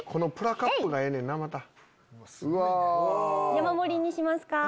山盛りにしますか？